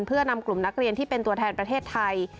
เพื่อนำกลุ่มนักเรียนที่เป็นตัวแทนประเทศไทย